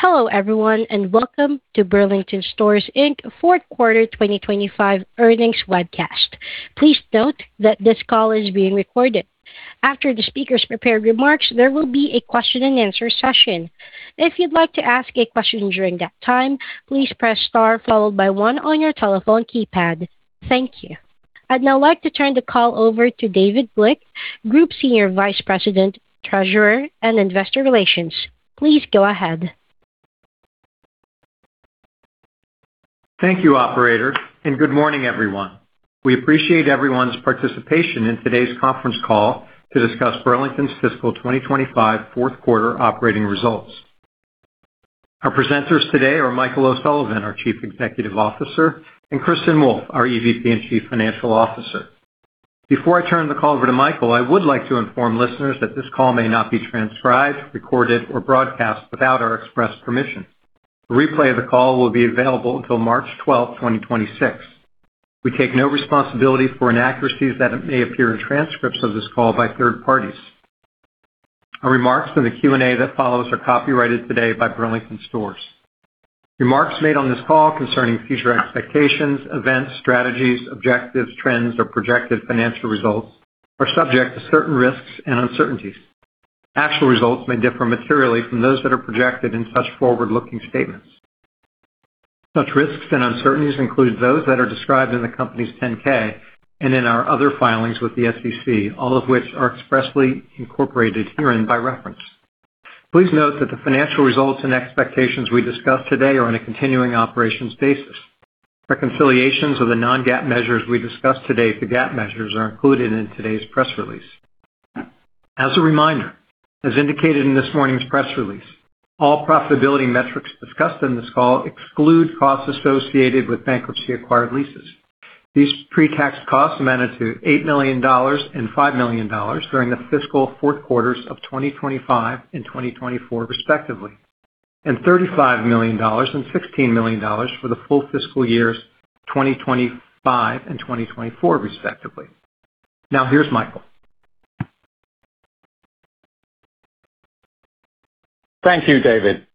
Hello everyone, welcome to Burlington Stores, Inc. Q4 2025 earnings webcast. Please note that this call is being recorded. After the speaker's prepared remarks, there will be a question and answer session. If you'd like to ask a question during that time, please press Star followed by one on your telephone keypad. Thank you. I'd now like to turn the call over to David Glick, Group Senior Vice President, Treasurer and Investor Relations. Please go ahead. Thank you, operator, and good morning, everyone. We appreciate everyone's participation in today's conference call to discuss Burlington Stores' fiscal 2025 Q4 operating results. Our presenters today are Michael O'Sullivan, our Chief Executive Officer, and Kristin Wolfe, our EVP and Chief Financial Officer. Before I turn the call over to Michael, I would like to inform listeners that this call may not be transcribed, recorded, or broadcast without our express permission. A replay of the call will be available until March 12 2026. We take no responsibility for inaccuracies that may appear in transcripts of this call by third parties. Our remarks in the Q&A that follows are copyrighted today by Burlington Stores. Remarks made on this call concerning future expectations, events, strategies, objectives, trends, or projected financial results are subject to certain risks and uncertainties. Actual results may differ materially from those that are projected in such forward-looking statements. Such risks and uncertainties include those that are described in the company's 10-K and in our other filings with the SEC, all of which are expressly incorporated herein by reference. Please note that the financial results and expectations we discuss today are on a continuing operations basis. Reconciliations of the non-GAAP measures we discuss today for GAAP measures are included in today's press release. As a reminder, as indicated in this morning's press release, all profitability metrics discussed in this call exclude costs associated with bankruptcy acquired leases. These pre-tax costs amounted to $8 million and $5 million during the fiscal fourth quarters of 2025 and 2024, respectively, and $35 million and $16 million for the full fiscal years 2025 and 2024, respectively. Here's Michael. Thank you, David.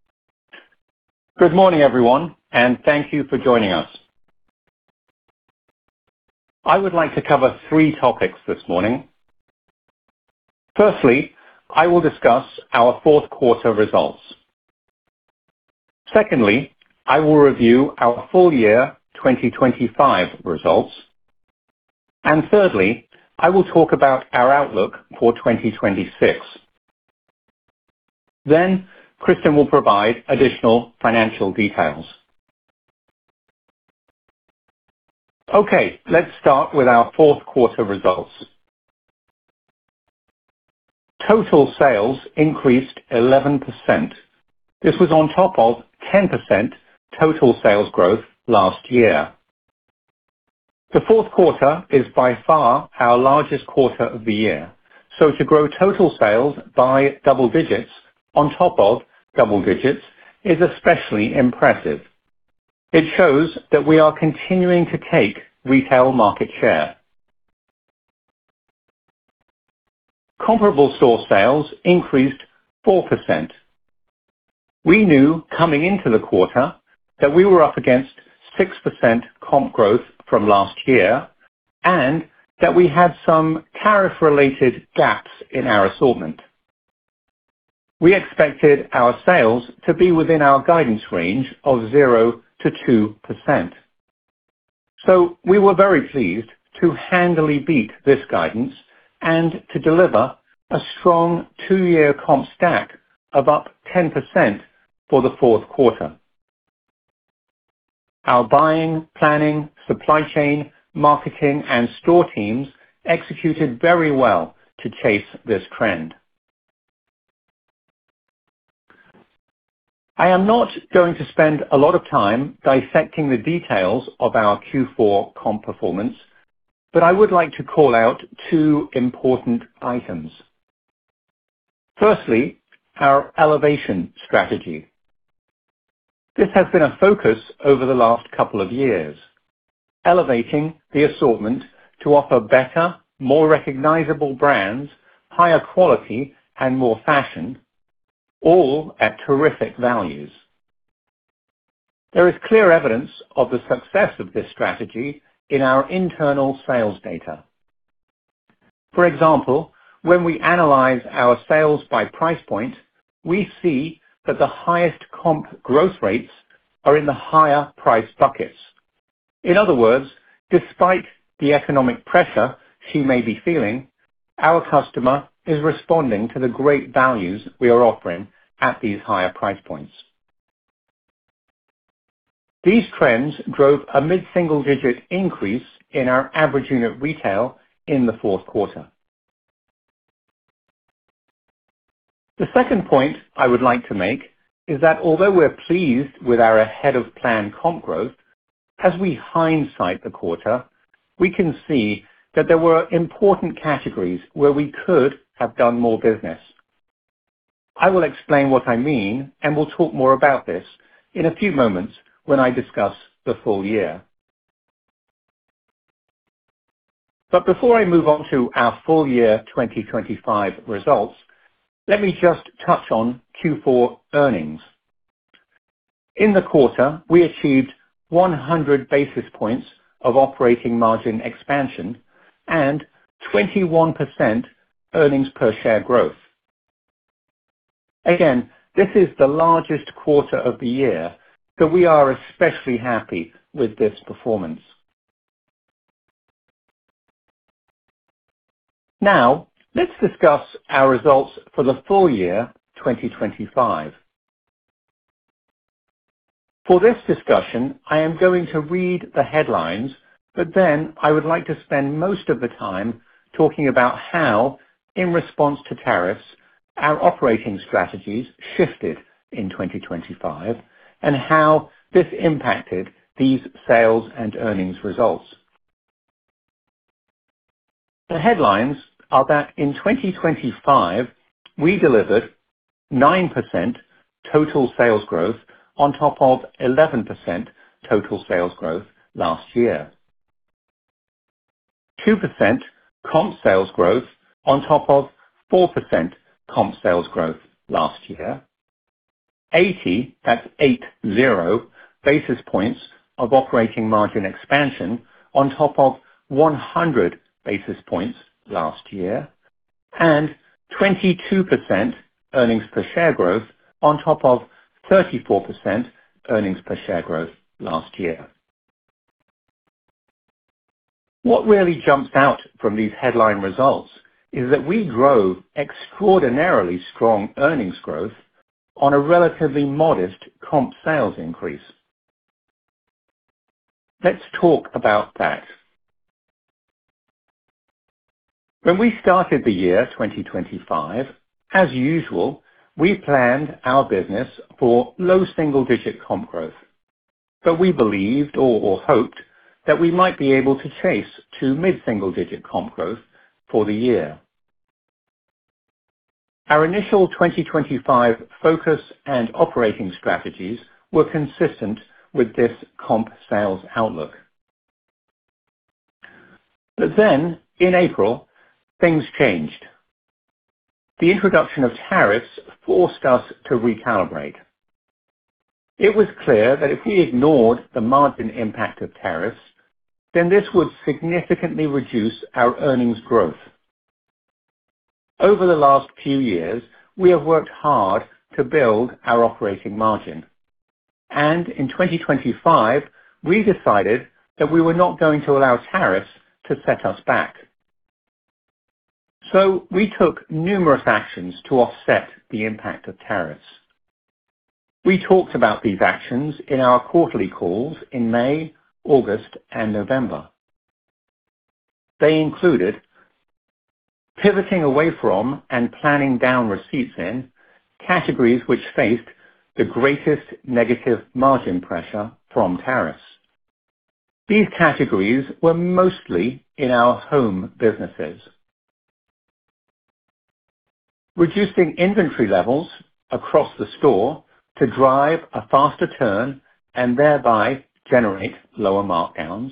Good morning, everyone, and thank you for joining us. I would like to cover three topics this morning. Firstly, I will discuss our Q4 results. Secondly, I will review our full year 2025 results. Thirdly, I will talk about our outlook for 2026. Kristin will provide additional financial details. Okay, let's start with our Q4 results. Total sales increased 11%. This was on top of 10% total sales growth last year. The Q4 is by far our largest quarter of the year. To grow total sales by double digits on top of double digits is especially impressive. It shows that we are continuing to take retail market share. Comparable store sales increased 4%. We knew coming into the quarter that we were up against 6% comp growth from last year, and that we had some tariff-related gaps in our assortment. We expected our sales to be within our guidance range of 0%-2%. We were very pleased to handily beat this guidance and to deliver a strong two year comp stack of up 10% for the Q4. Our buying, planning, supply chain, marketing and store teams executed very well to chase this trend. I am not going to spend a lot of time dissecting the details of our Q4 comp performance, but I would like to call out two important items. Firstly, our elevation strategy. This has been a focus over the last couple of years, elevating the assortment to offer better, more recognizable brands, higher quality and more fashion, all at terrific values. There is clear evidence of the success of this strategy in our internal sales data. For example, when we analyze our sales by price point, we see that the highest comp growth rates are in the higher price buckets. In other words, despite the economic pressure she may be feeling, our customer is responding to the great values we are offering at these higher price points. These trends drove a mid-single-digit increase in our average unit retail in the Q4. The second point I would like to make is that although we're pleased with our ahead of plan comp growth, as we hindsight the quarter, we can see that there were important categories where we could have done more business. I will explain what I mean, and we'll talk more about this in a few moments when I discuss the full year. Before I move on to our full year 2025 results, let me just touch on Q4 earnings. In the quarter, we achieved 100 basis points of operating margin expansion and 21% earnings per share growth. Again, this is the largest quarter of the year, so we are especially happy with this performance. Now let's discuss our results for the full year 2025. For this discussion, I am going to read the headlines, but then I would like to spend most of the time talking about how, in response to tariffs, our operating strategies shifted in 2025 and how this impacted these sales and earnings results. The headlines are that in 2025 we delivered 9% total sales growth on top of 11% total sales growth last year. 2% comp sales growth on top of 4% comp sales growth last year. 80 basis points of operating margin expansion on top of 100 basis points last year, and 22% earnings per share growth on top of 34% earnings per share growth last year. What really jumps out from these headline results is that we grow extraordinarily strong earnings growth on a relatively modest comp sales increase. Let's talk about that. When we started the year 2025, as usual, we planned our business for low single-digit comp growth. We believed or hoped that we might be able to chase to mid-single digit comp growth for the year. Our initial 2025 focus and operating strategies were consistent with this comp sales outlook. In April, things changed. The introduction of tariffs forced us to recalibrate. It was clear that if we ignored the margin impact of tariffs, then this would significantly reduce our earnings growth. Over the last few years, we have worked hard to build our operating margin, and in 2025 we decided that we were not going to allow tariffs to set us back. We took numerous actions to offset the impact of tariffs. We talked about these actions in our quarterly calls in May, August and November. They included pivoting away from and planning down receipts in categories which faced the greatest negative margin pressure from tariffs. These categories were mostly in our home businesses. Reducing inventory levels across the store to drive a faster turn and thereby generate lower markdowns.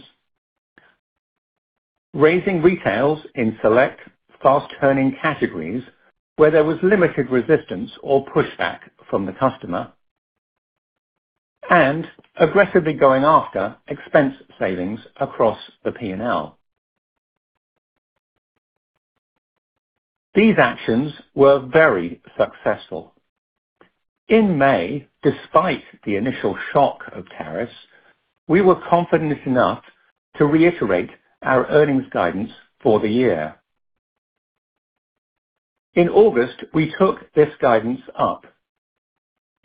Raising retails in select fast turning categories where there was limited resistance or pushback from the customer. Aggressively going after expense savings across the P&L. These actions were very successful. In May, despite the initial shock of tariffs, we were confident enough to reiterate our earnings guidance for the year. In August, we took this guidance up.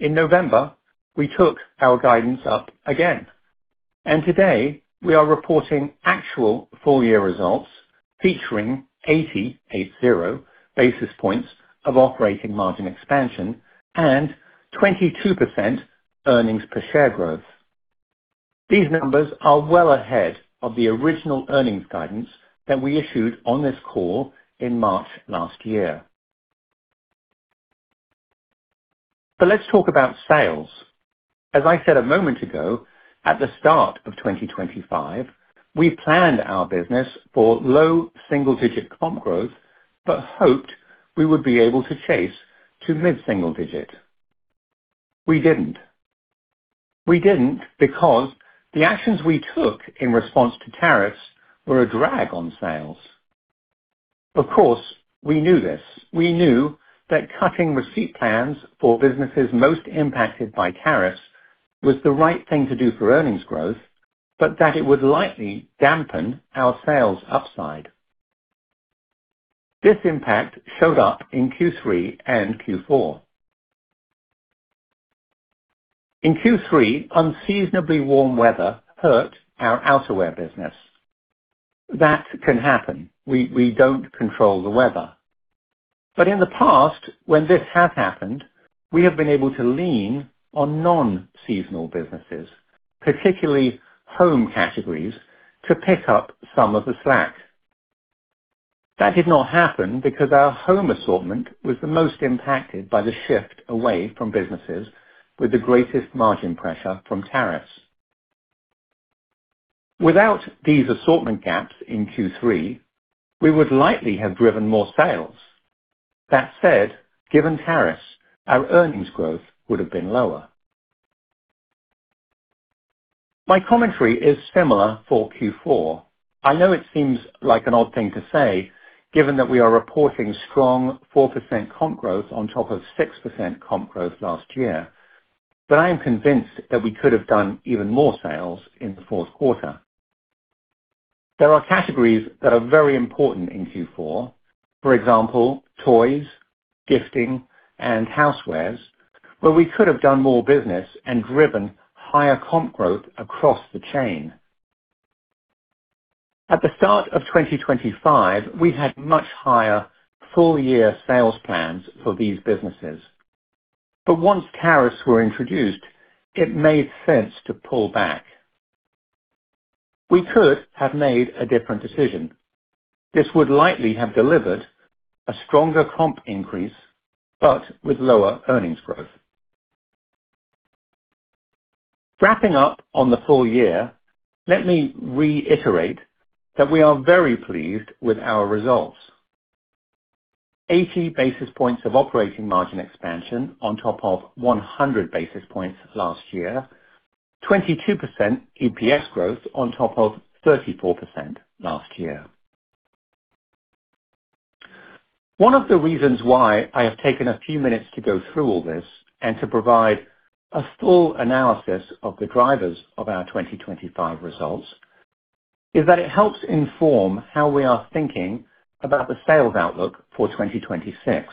In November, we took our guidance up again, and today we are reporting actual full-year results featuring 80 basis points of operating margin expansion and 22% earnings per share growth. These numbers are well ahead of the original earnings guidance that we issued on this call in March last year. Let's talk about sales. As I said a moment ago, at the start of 2025, we planned our business for low single-digit comp growth but hoped we would be able to chase to mid-single digit. We didn't. We didn't because the actions we took in response to tariffs were a drag on sales. Of course, we knew this. We knew that cutting receipt plans for businesses most impacted by tariffs was the right thing to do for earnings growth, but that it would likely dampen our sales upside. This impact showed up in Q3 and Q4. In Q3, unseasonably warm weather hurt our outerwear business. That can happen. We don't control the weather. In the past, when this has happened, we have been able to lean on non-seasonal businesses, particularly home categories, to pick up some of the slack. That did not happen because our home assortment was the most impacted by the shift away from businesses with the greatest margin pressure from tariffs. Without these assortment gaps in Q3, we would likely have driven more sales. That said, given tariffs, our earnings growth would have been lower. My commentary is similar for Q4. I know it seems like an odd thing to say given that we are reporting strong 4% comp growth on top of 6% comp growth last year, but I am convinced that we could have done even more sales in the Q4. There are categories that are very important in Q4, for example, toys, gifting, and housewares, where we could have done more business and driven higher comp growth across the chain. At the start of 2025, we had much higher full year sales plans for these businesses, but once tariffs were introduced, it made sense to pull back. We could have made a different decision. This would likely have delivered a stronger comp increase, but with lower earnings growth. Wrapping up on the full year, let me reiterate that we are very pleased with our results. 80 basis points of operating margin expansion on top of 100 basis points last year. 22% EPS growth on top of 34% last year. One of the reasons why I have taken a few minutes to go through all this and to provide a full analysis of the drivers of our 2025 results, is that it helps inform how we are thinking about the sales outlook for 2026.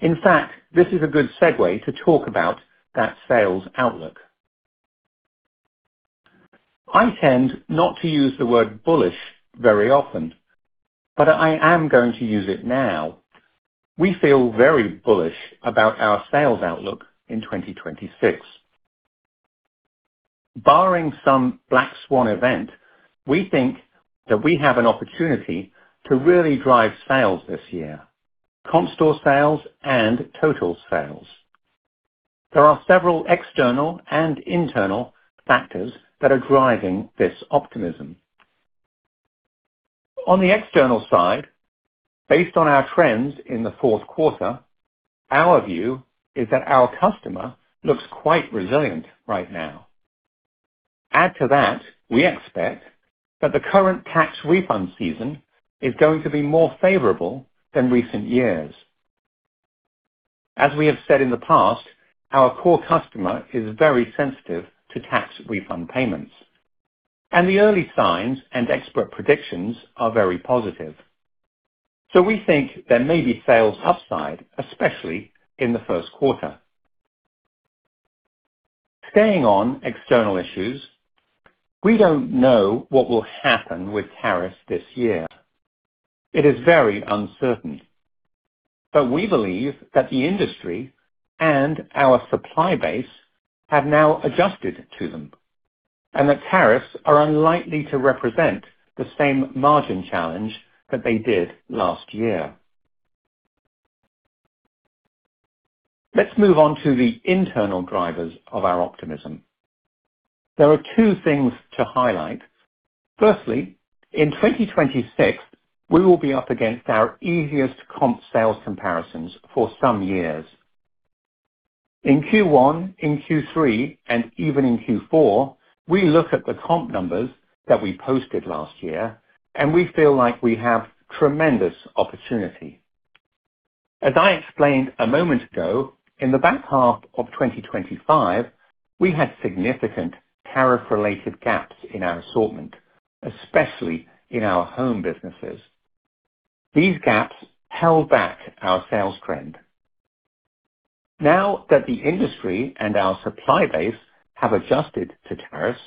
In fact, this is a good segue to talk about that sales outlook. I tend not to use the word bullish very often, but I am going to use it now. We feel very bullish about our sales outlook in 2026. Barring some Black Swan event, we think that we have an opportunity to really drive sales this year, comp store sales and total sales. There are several external and internal factors that are driving this optimism. On the external side, based on our trends in the Q4, our view is that our customer looks quite resilient right now. Add to that, we expect that the current tax refund season is going to be more favorable than recent years. As we have said in the past, our core customer is very sensitive to tax refund payments, and the early signs and expert predictions are very positive. We think there may be sales upside, especially in the first quarter. Staying on external issues, we don't know what will happen with tariffs this year. It is very uncertain, but we believe that the industry and our supply base have now adjusted to them, and that tariffs are unlikely to represent the same margin challenge that they did last year. Let's move on to the internal drivers of our optimism. There are two things to highlight. Firstly, in 2026, we will be up against our easiest comp sales comparisons for some years. In Q1, in Q3, and even in Q4, we look at the comp numbers that we posted last year, and we feel like we have tremendous opportunity. As I explained a moment ago, in the back half of 2025, we had significant tariff-related gaps in our assortment, especially in our home businesses. These gaps held back our sales trend. Now that the industry and our supply base have adjusted to tariffs,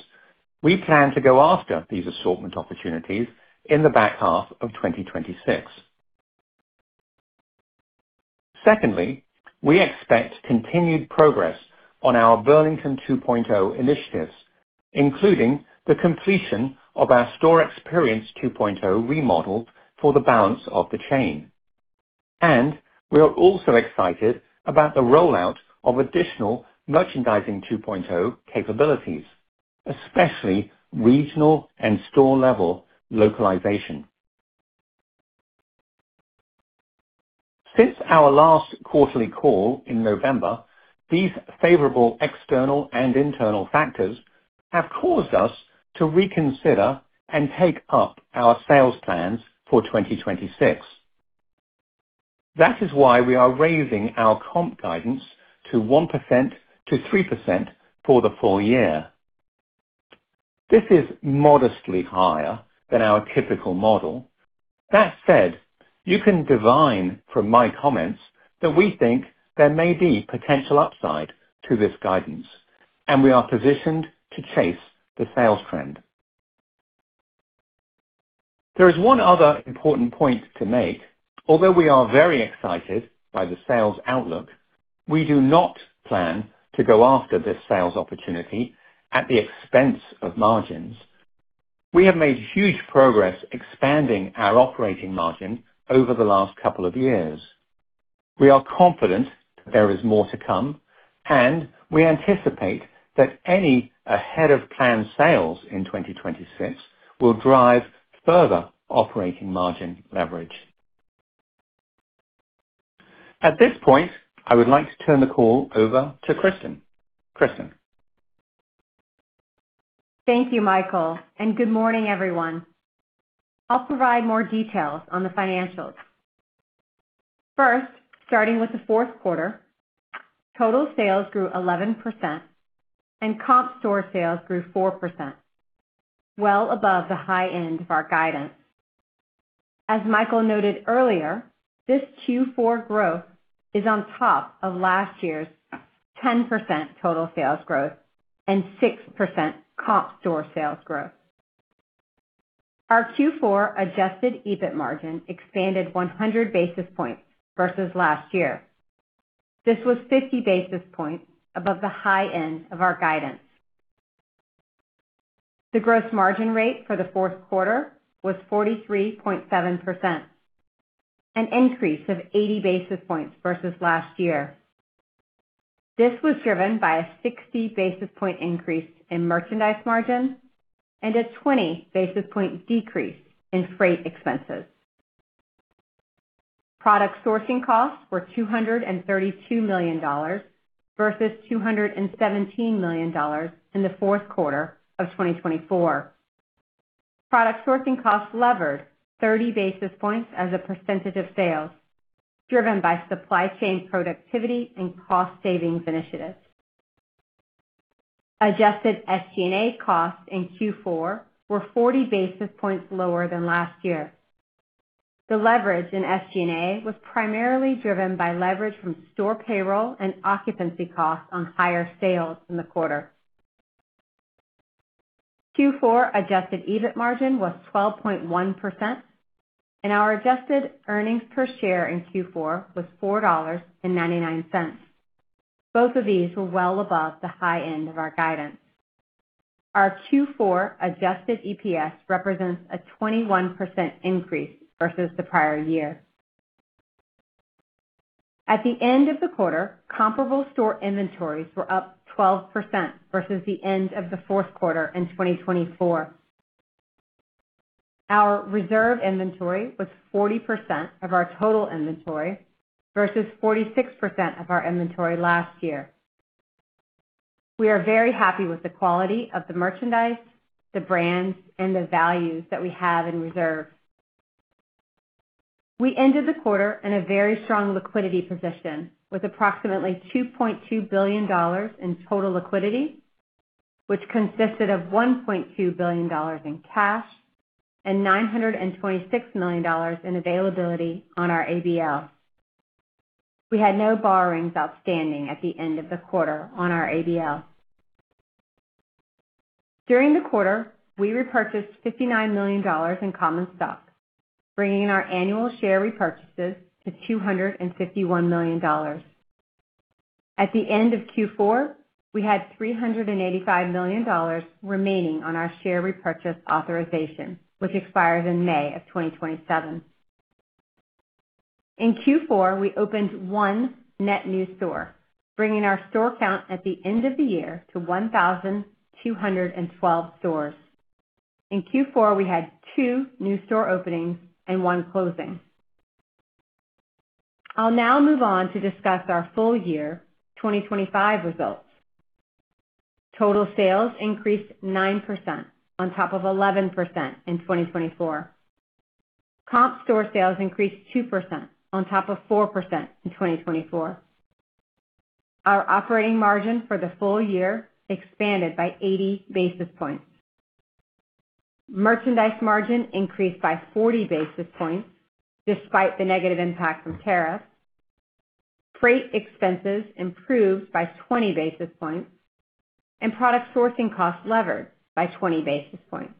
we plan to go after these assortment opportunities in the back half of 2026. Secondly, we expect continued progress on our Burlington 2.0 initiatives, including the completion of our Store Experience 2.0 remodel for the balance of the chain. We are also excited about the rollout of additional Merchandising 2.0 capabilities, especially regional and store-level localization. Since our last quarterly call in November, these favorable external and internal factors have caused us to reconsider and take up our sales plans for 2026. That is why we are raising our comp guidance to 1%-3% for the full year. This is modestly higher than our typical model. That said, you can divine from my comments that we think there may be potential upside to this guidance, and we are positioned to chase the sales trend. There is one other important point to make. Although we are very excited by the sales outlook. We do not plan to go after this sales opportunity at the expense of margins. We have made huge progress expanding our operating margin over the last couple of years. We are confident there is more to come, and we anticipate that any ahead of plan sales in 2026 will drive further operating margin leverage. At this point, I would like to turn the call over to Kristin. Kristin. Thank you, Michael. Good morning, everyone. I'll provide more details on the financials. First, starting with the Q4, total sales grew 11% and comp store sales grew 4%, well above the high end of our guidance. As Michael noted earlier, this Q4 growth is on top of last year's 10% total sales growth and 6% comp store sales growth. Our Q4 adjusted EBIT margin expanded 100 basis points versus last year. This was 50 basis points above the high end of our guidance. The gross margin rate for the Q4 was 43.7%, an increase of 80 basis points versus last year. This was driven by a 60 basis point increase in merchandise margin and a 20 basis point decrease in freight expenses. Product sourcing costs were $232 million versus $217 million in the Q4 of 2024. Product sourcing costs levered 30 basis points as a percentage of sales, driven by supply chain productivity and cost savings initiatives. Adjusted SG&A costs in Q4 were 40 basis points lower than last year. The leverage in SG&A was primarily driven by leverage from store payroll and occupancy costs on higher sales in the quarter. Q4 adjusted EBIT margin was 12.1% and our adjusted EPS in Q4 was $4.99. Both of these were well above the high end of our guidance. Our Q4 adjusted EPS represents a 21% increase versus the prior year. At the end of the quarter, comparable store inventories were up 12% versus the end of the Q4 in 2024. Our reserve inventory was 40% of our total inventory versus 46% of our inventory last year. We are very happy with the quality of the merchandise, the brands, and the values that we have in reserve. We ended the quarter in a very strong liquidity position with approximately $2.2 billion in total liquidity, which consisted of $1.2 billion in cash and $926 million in availability on our ABL. We had no borrowings outstanding at the end of the quarter on our ABL. During the quarter, we repurchased $59 million in common stock, bringing our annual share repurchases to $251 million. At the end of Q4, we had $385 million remaining on our share repurchase authorization, which expires in May of 2027. In Q4, we opened one net new store, bringing our store count at the end of the year to 1,212 stores. In Q4, we had two new store openings and one closing. I'll now move on to discuss our full year 2025 results. Total sales increased 9% on top of 11% in 2024. Comp store sales increased 2% on top of 4% in 2024. Our operating margin for the full year expanded by 80 basis points. Merchandise margin increased by 40 basis points despite the negative impact from tariffs. Freight expenses improved by 20 basis points and product sourcing costs levered by 20 basis points.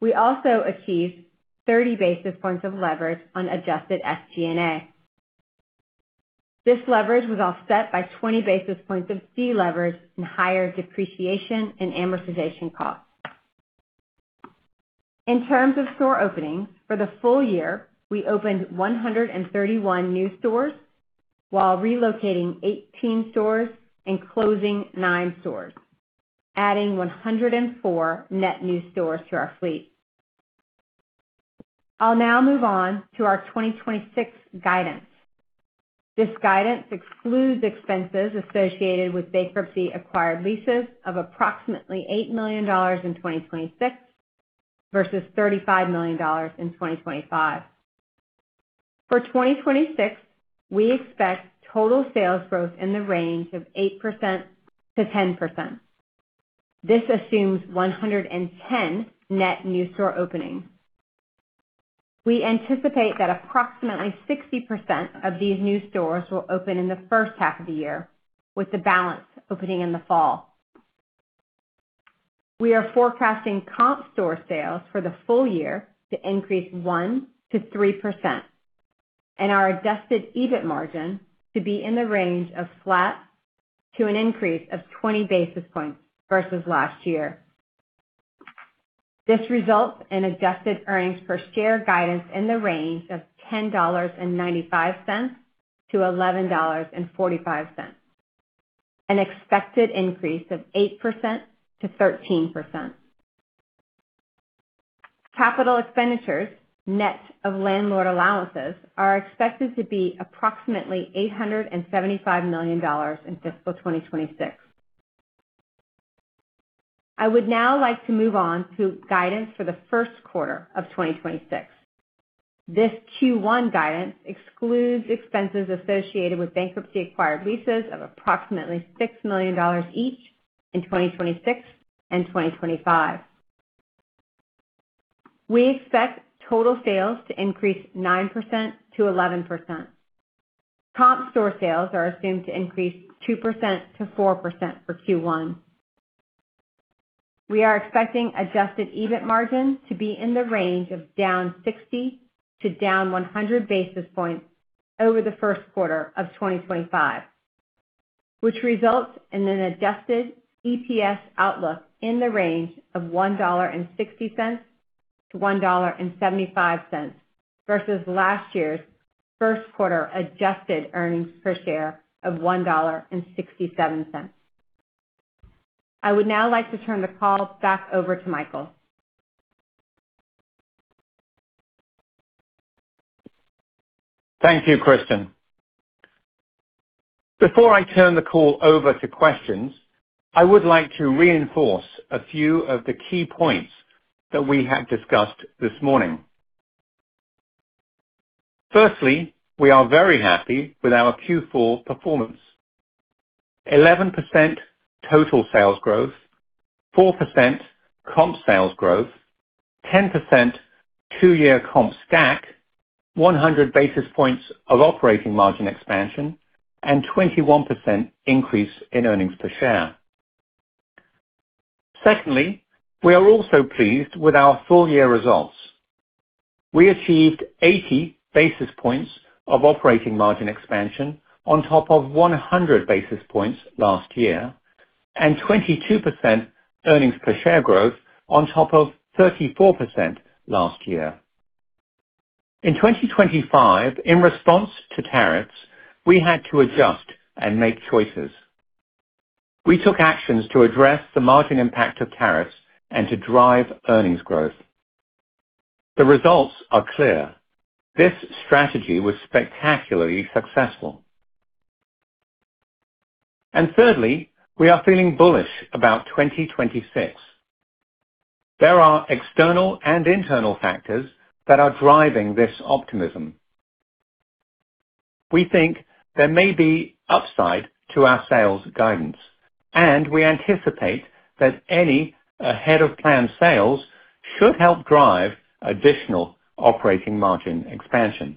We also achieved 30 basis points of leverage on adjusted SG&A. This leverage was offset by 20 basis points of deleverage and higher depreciation and amortization costs. In terms of store openings for the full year, we opened 131 new stores while relocating 18 stores and closing nine stores, adding 104 net new stores to our fleet. I'll now move on to our 2026 guidance. This guidance excludes expenses associated with bankruptcy acquired leases of approximately $8 million in 2026 versus $35 million in 2025. For 2026, we expect total sales growth in the range of 8%-10%. This assumes 110 net new store openings. We anticipate that approximately 60% of these new stores will open in the first half of the year, with the balance opening in the fall. We are forecasting comp store sales for the full year to increase 1%-3% and our adjusted EBIT margin to be in the range of flat to an increase of 20 basis points versus last year. This results in adjusted earnings per share guidance in the range of $10.95 to $11.45, an expected increase of 8%-13%. Capital expenditures, net of landlord allowances, are expected to be approximately $875 million in fiscal 2026. I would now like to move on to guidance for the Q1 of 2026. This Q1 guidance excludes expenses associated with bankruptcy acquired leases of approximately $6 million each in 2026 and 2025. We expect total sales to increase 9%-11%. Comp store sales are assumed to increase 2%-4% for Q1. We are expecting adjusted EBIT margin to be in the range of down 60 to down 100 basis points over the Q1 of 2025, which results in an adjusted EPS outlook in the range of $1.60-$1.75 versus last year's Q1 adjusted earnings per share of $1.67. I would now like to turn the call back over to Michael. Thank you, Kristin. Before I turn the call over to questions, I would like to reinforce a few of the key points that we have discussed this morning. Firstly, we are very happy with our Q4 performance. 11% total sales growth, 4% comp sales growth, 10% two-year comp stack, 100 basis points of operating margin expansion, and 21% increase in earnings per share. Secondly, we are also pleased with our full year results. We achieved 80 basis points of operating margin expansion on top of 100 basis points last year and 22% earnings per share growth on top of 34% last year. In 2025, in response to tariffs, we had to adjust and make choices. We took actions to address the margin impact of tariffs and to drive earnings growth. The results are clear. This strategy was spectacularly successful. Thirdly, we are feeling bullish about 2026. There are external and internal factors that are driving this optimism. We think there may be upside to our sales guidance, and we anticipate that any ahead of plan sales should help drive additional operating margin expansion.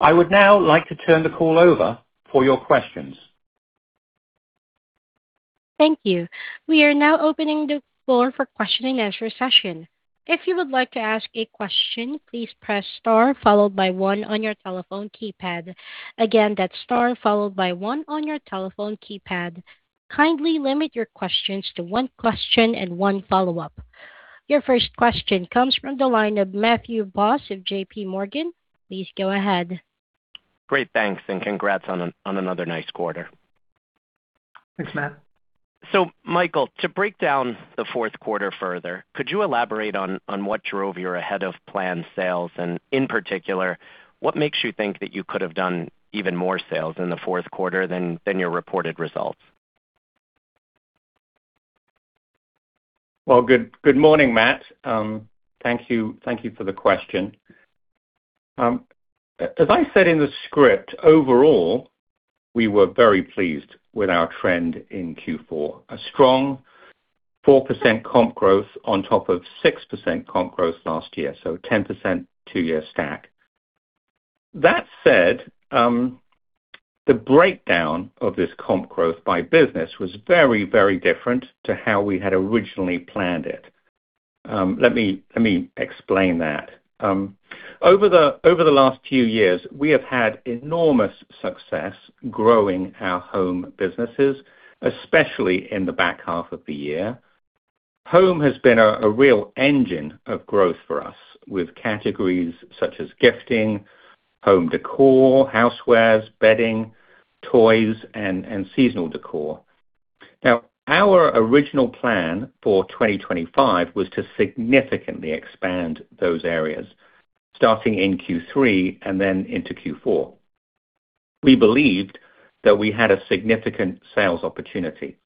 I would now like to turn the call over for your questions. Thank you. We are now opening the floor for question and answer session. If you would like to ask a question, please press star followed by one on your telephone keypad. Again, that's star followed by one on your telephone keypad. Kindly limit your questions to one question and one follow-up. Your first question comes from the line of Matthew Boss of JPMorgan. Please go ahead. Great. Thanks, and congrats on another nice quarter. Thanks, Matt. Michael, to break down the Q4 further, could you elaborate on what drove your ahead of planned sales? In particular, what makes you think that you could have done even more sales in the Q4 than your reported results? Well, good morning, Matt. Thank you for the question. As I said in the script, overall, we were very pleased with our trend in Q4. A strong 4% comp growth on top of 6% comp growth last year, so a 10% two-year stack. That said, the breakdown of this comp growth by business was very different to how we had originally planned it. Let me explain that. Over the last few years, we have had enormous success growing our home businesses, especially in the back half of the year. Home has been a real engine of growth for us with categories such as gifting, home decor, housewares, bedding, toys, and seasonal decor. Our original plan for 2025 was to significantly expand those areas starting in Q3 and then into Q4. We believed that we had a significant sales opportunity.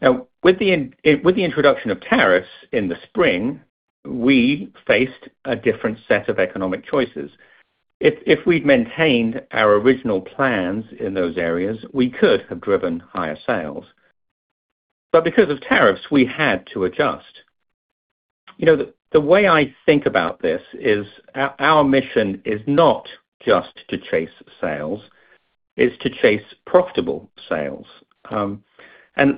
Now, with the introduction of tariffs in the spring, we faced a different set of economic choices. If we'd maintained our original plans in those areas, we could have driven higher sales. Because of tariffs, we had to adjust. You know, the way I think about this is our mission is not just to chase sales. It's to chase profitable sales.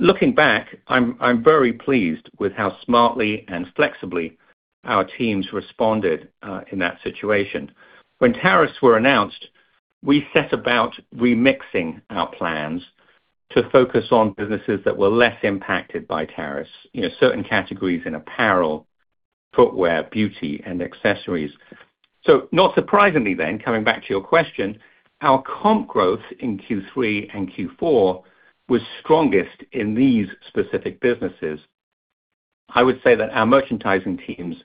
Looking back, I'm very pleased with how smartly and flexibly our teams responded in that situation. When tariffs were announced, we set about remixing our plans to focus on businesses that were less impacted by tariffs. You know, certain categories in apparel, footwear, beauty, and accessories. Not surprisingly then, coming back to your question, our comp growth in Q3 and Q4 was strongest in these specific businesses. I would say that our merchandising teams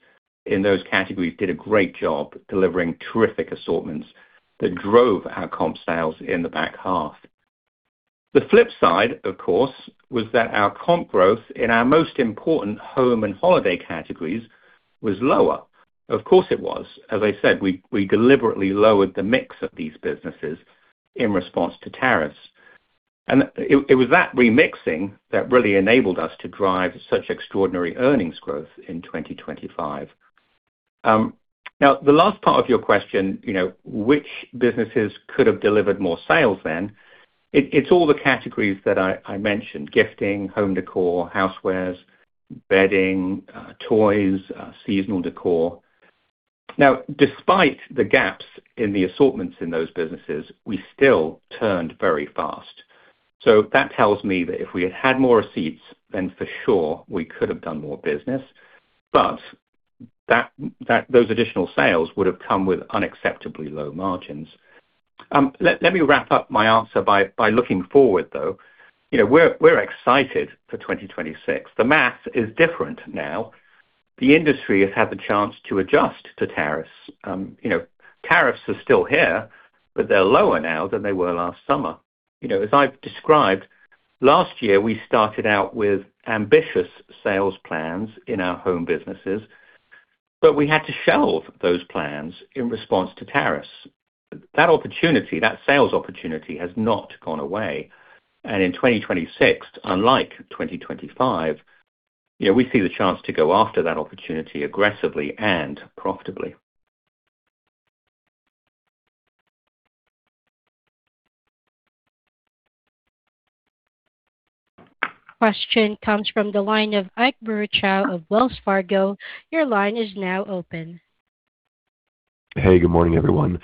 in those categories did a great job delivering terrific assortments that drove our comp sales in the back half. The flip side, of course, was that our comp growth in our most important home and holiday categories was lower. Of course, it was. As I said, we deliberately lowered the mix of these businesses in response to tariffs. It was that remixing that really enabled us to drive such extraordinary earnings growth in 2025. Now the last part of your question, you know, which businesses could have delivered more sales then? It's all the categories that I mentioned, gifting, home decor, housewares, bedding, toys, seasonal decor. Now, despite the gaps in the assortments in those businesses, we still turned very fast. That tells me that if we had had more receipts, for sure we could have done more business, but those additional sales would have come with unacceptably low margins. Let me wrap up my answer by looking forward though. You know, we're excited for 2026. The math is different now. The industry has had the chance to adjust to tariffs. You know, tariffs are still here, but they're lower now than they were last summer. You know, as I've described, last year, we started out with ambitious sales plans in our home businesses, but we had to shelve those plans in response to tariffs. That opportunity, that sales opportunity, has not gone away. In 2026, unlike 2025, you know, we see the chance to go after that opportunity aggressively and profitably. Question comes from the line of Ike Boruchow of Wells Fargo. Your line is now open. Hey, good morning, everyone.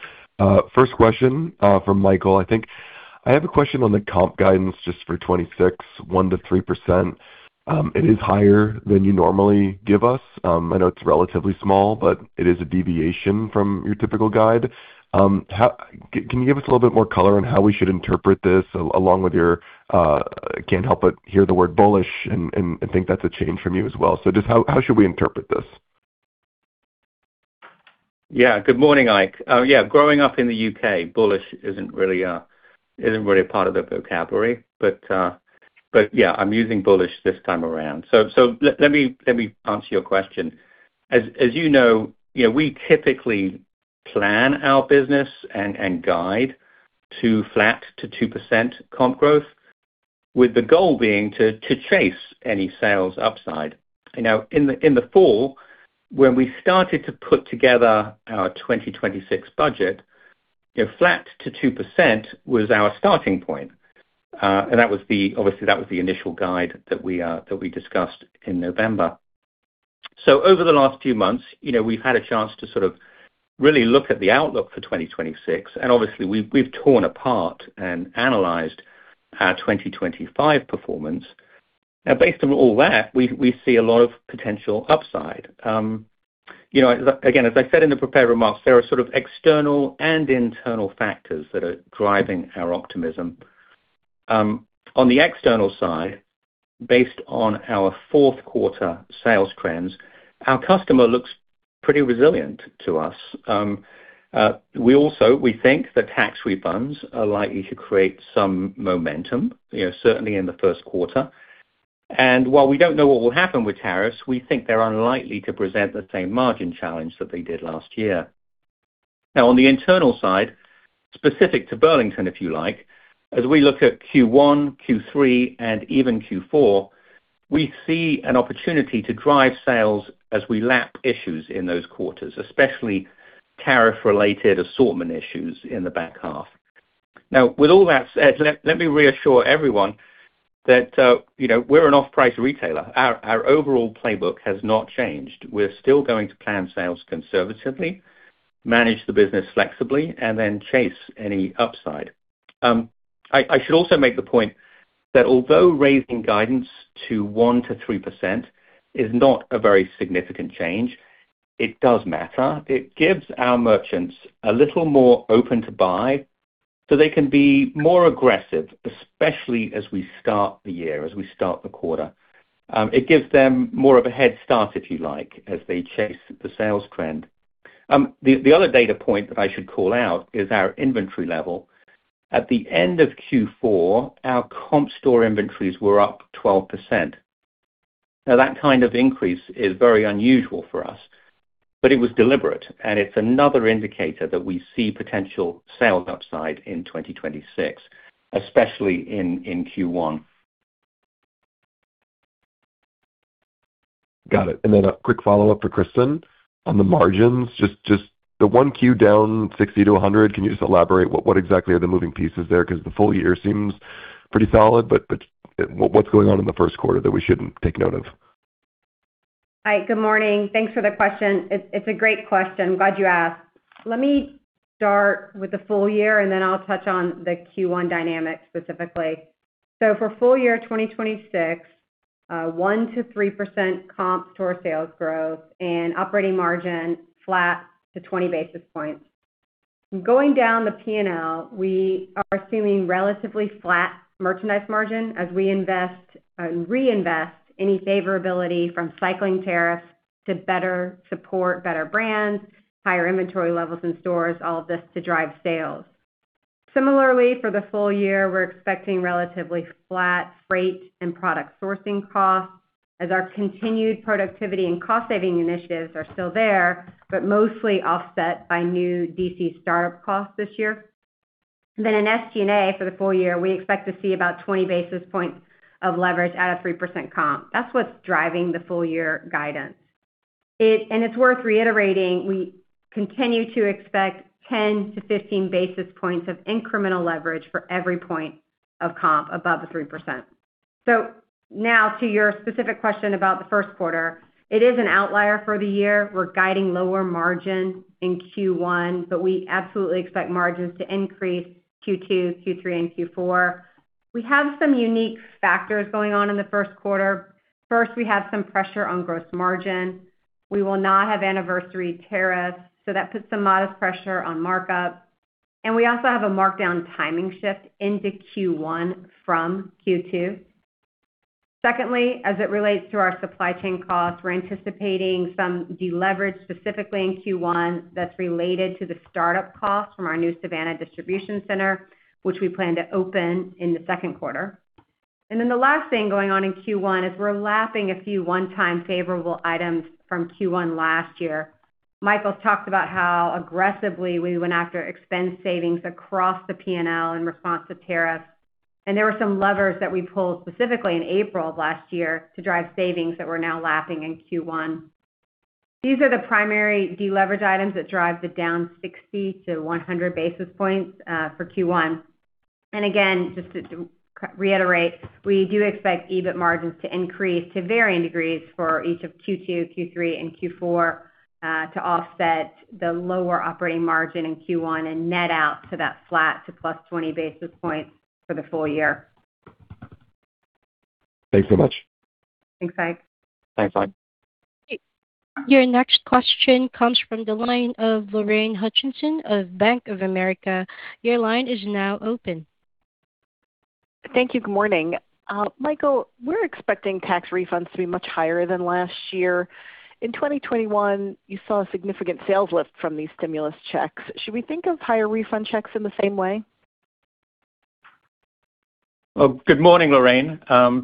First question for Michael. I think I have a question on the comp guidance just for 2026, 1%-3%. It is higher than you normally give us. I know it's relatively small, but it is a deviation from your typical guide. How can you give us a little bit more color on how we should interpret this along with your, can't help but hear the word bullish, and I think that's a change from you as well. Just how should we interpret this? Good morning, Ike. Growing up in the U.K., bullish isn't really, isn't really a part of the vocabulary. But yeah, I'm using bullish this time around. Let me answer your question. As you know, we typically plan our business and guide to flat to 2% comp growth, with the goal being to chase any sales upside. In the fall, when we started to put together our 2026 budget, you know, flat to 2% was our starting point. Obviously, that was the initial guide that we discussed in November. Over the last few months, you know, we've had a chance to sort of really look at the outlook for 2026, and obviously we've torn apart and analyzed our 2025 performance. Now, based on all that, we see a lot of potential upside. You know, as I said in the prepared remarks, there are sort of external and internal factors that are driving our optimism. On the external side, based on our Q4 sales trends, our customer looks pretty resilient to us. We think that tax refunds are likely to create some momentum, you know, certainly in the Q1. While we don't know what will happen with tariffs, we think they're unlikely to present the same margin challenge that they did last year. On the internal side, specific to Burlington, if you like, as we look at Q1, Q3, and even Q4, we see an opportunity to drive sales as we lap issues in those quarters, especially tariff-related assortment issues in the back half. With all that said, let me reassure everyone that, you know, we're an off-price retailer. Our overall playbook has not changed. We're still going to plan sales conservatively, manage the business flexibly, and then chase any upside. I should also make the point that although raising guidance to 1%-3% is not a very significant change, it does matter. It gives our merchants a little more open to buy they can be more aggressive, especially as we start the year, as we start the quarter. It gives them more of a head start, if you like, as they chase the sales trend. The other data point that I should call out is our inventory level. At the end of Q4, our comp store inventories were up 12%. Now that kind of increase is very unusual for us, but it was deliberate, and it's another indicator that we see potential sales upside in 2026, especially in Q1. Got it. A quick follow-up for Kristin on the margins. Just the 1Q down 60 to 100. Can you just elaborate what exactly are the moving pieces there? Because the full year seems pretty solid, but what's going on in the Q1 that we shouldn't take note of? Hi, good morning. Thanks for the question. It's a great question. I'm glad you asked. Let me start with the full year, and then I'll touch on the Q1 dynamics specifically. For full year 2026, 1%-3% comp store sales growth and operating margin flat to 20 basis points. Going down the P&L, we are assuming relatively flat merchandise margin as we invest and reinvest any favorability from cycling tariffs to better support better brands, higher inventory levels in stores, all of this to drive sales. Similarly, for the full year, we're expecting relatively flat freight and product sourcing costs as our continued productivity and cost-saving initiatives are still there, but mostly offset by new DC startup costs this year. In SG&A for the full year, we expect to see about 20 basis points of leverage at a 3% comp. That's what's driving the full year guidance. It's worth reiterating, we continue to expect 10-15 basis points of incremental leverage for every point of comp above the 3%. Now to your specific question about the 1st quarter, it is an outlier for the year. We're guiding lower margin in Q1, but we absolutely expect margins to increase Q2, Q3, and Q4. We have some unique factors going on in the Q1. First, we have some pressure on gross margin. We will not have anniversary tariffs, so that puts some modest pressure on markup. We also have a markdown timing shift into Q1 from Q2. Secondly, as it relates to our supply chain costs, we're anticipating some deleverage specifically in Q1 that's related to the start-up costs from our new Savannah distribution center, which we plan to open in the Q2. The last thing going on in Q1 is we're lapping a few one-time favorable items from Q1 last year. Michael's talked about how aggressively we went after expense savings across the P&L in response to tariffs, there were some levers that we pulled specifically in April of last year to drive savings that we're now lapping in Q1. These are the primary deleverage items that drive the down 60 to 100 basis points for Q1. Again, just to reiterate, we do expect EBIT margins to increase to varying degrees for each of Q2, Q3, and Q4 to offset the lower operating margin in Q1 and net out to that flat to +20 basis points for the full year. Thanks so much. Thanks, Ike. Thanks, Ike. Your next question comes from the line of Lorraine Hutchinson of Bank of America. Your line is now open. Thank you. Good morning. Michael, we're expecting tax refunds to be much higher than last year. In 2021, you saw a significant sales lift from these stimulus checks. Should we think of higher refund checks in the same way? Well, good morning, Lorraine.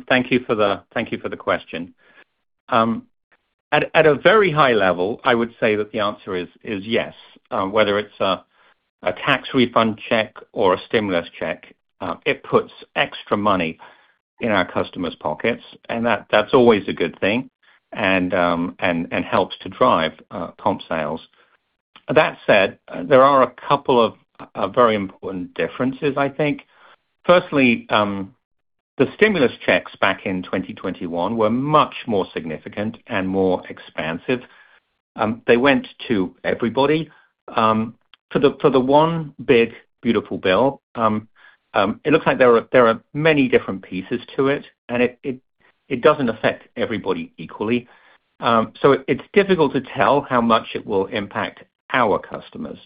Thank you for the question. At a very high level, I would say that the answer is yes. Whether it's a tax refund check or a stimulus check, it puts extra money in our customers' pockets, and that's always a good thing and helps to drive comp sales. That said, there are a couple of very important differences, I think. Firstly, the stimulus checks back in 2021 were much more significant and more expansive. They went to everybody. For the One Big Beautiful Bill, it looks like there are many different pieces to it, and it doesn't affect everybody equally. It's difficult to tell how much it will impact our customers.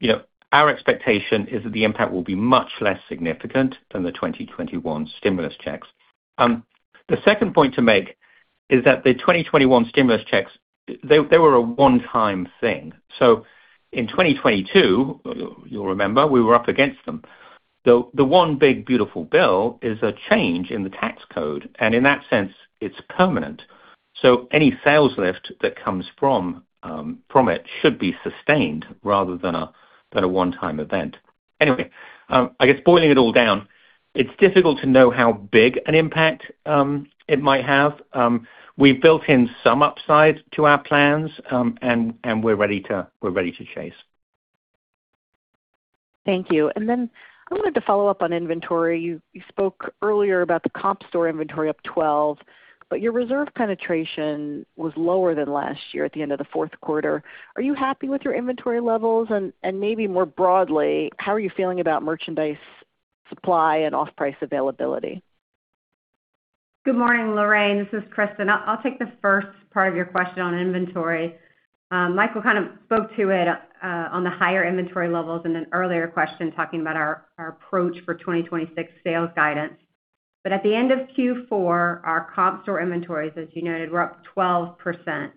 You know, our expectation is that the impact will be much less significant than the 2021 stimulus checks. The second point to make is that the 2021 stimulus checks, they were a one-time thing. In 2022, you'll remember we were up against them. The One Big Beautiful Bill is a change in the tax code, and in that sense, it's permanent. Any sales lift that comes from it should be sustained rather than a one-time event. Anyway, I guess boiling it all down, it's difficult to know how big an impact it might have. We've built in some upside to our plans, and we're ready to chase. Thank you. I wanted to follow up on inventory. You spoke earlier about the comp store inventory up 12%, but your reserve penetration was lower than last year at the end of the Q4. Are you happy with your inventory levels? Maybe more broadly, how are you feeling about merchandise supply and off-price availability? Good morning, Lorraine. This is Kristin. I'll take the first part of your question on inventory. Michael kind of spoke to it on the higher inventory levels in an earlier question, talking about our approach for 2026 sales guidance. At the end of Q4, our comp store inventories, as you noted, were up 12%.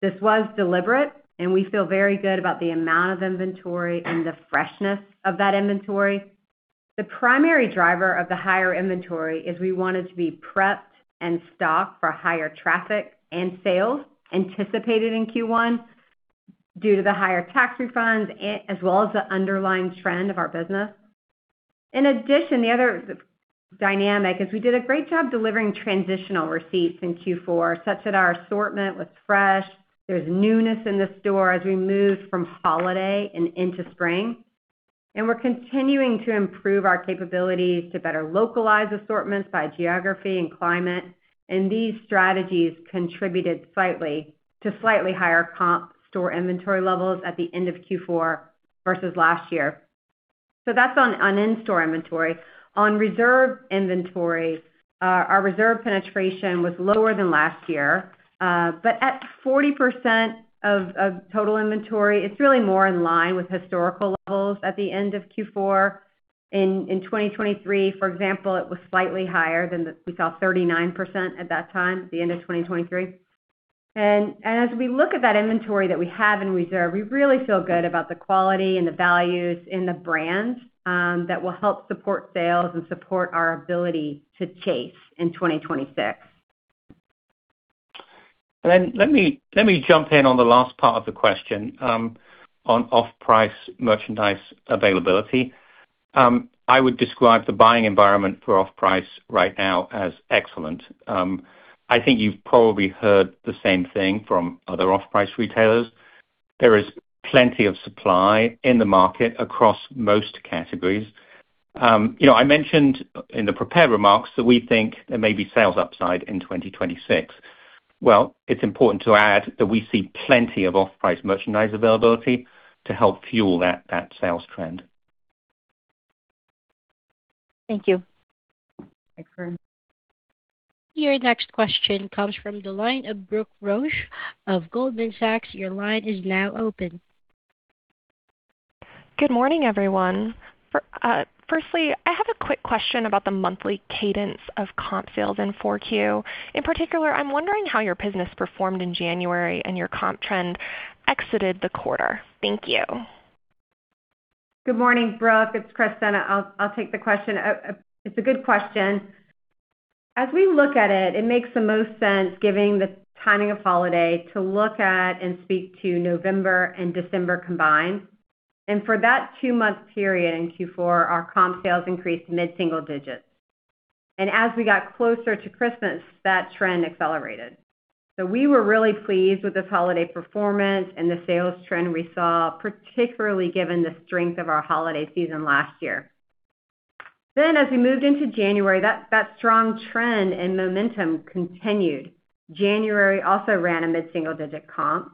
This was deliberate, and we feel very good about the amount of inventory and the freshness of that inventory. The primary driver of the higher inventory is we wanted to be prepped and stocked for higher traffic and sales anticipated in Q1 due to the higher tax refunds as well as the underlying trend of our business. In addition, the other dynamic is we did a great job delivering transitional receipts in Q4, such that our assortment was fresh. There's newness in the store as we moved from holiday and into spring. We're continuing to improve our capabilities to better localize assortments by geography and climate. These strategies contributed slightly to slightly higher comp store inventory levels at the end of Q4 versus last year. That's on in-store inventory. On reserve inventory, our reserve penetration was lower than last year, but at 40% of total inventory, it's really more in line with historical levels at the end of Q4. In 2023, for example, it was slightly higher than we saw 39% at that time, at the end of 2023. As we look at that inventory that we have in reserve, we really feel good about the quality and the values in the brands, that will help support sales and support our ability to chase in 2026. Let me, let me jump in on the last part of the question, on off-price merchandise availability. I would describe the buying environment for off-price right now as excellent. I think you've probably heard the same thing from other off-price retailers. There is plenty of supply in the market across most categories. You know, I mentioned in the prepared remarks that we think there may be sales upside in 2026. Well, it's important to add that we see plenty of off-price merchandise availability to help fuel that sales trend. Thank you. Thank Lorraine. Your next question comes from the line of Brooke Roach of Goldman Sachs. Your line is now open. Good morning, everyone. firstly, I have a quick question about the monthly cadence of comp sales in 4Q. In particular, I'm wondering how your business performed in January and your comp trend exited the quarter. Thank you. Good morning, Brooke. It's Kristin. I'll take the question. It's a good question. As we look at it makes the most sense giving the timing of holiday to look at and speak to November and December combined. For that two month period in Q4, our comp sales increased mid-single digits. As we got closer to Christmas, that trend accelerated. We were really pleased with this holiday performance and the sales trend we saw, particularly given the strength of our holiday season last year. As we moved into January, that strong trend and momentum continued. January also ran a mid-single digit comp,